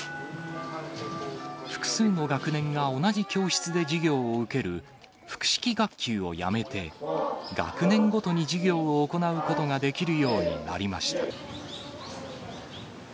複数の学年が同じ教室で授業を受ける複式学級をやめて、学年ごとに授業を行うことができるようになりました。